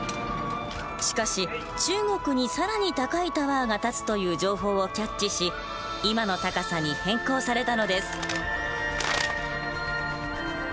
しかし中国に更に高いタワーが建つという情報をキャッチし今の高さに変更されたのです。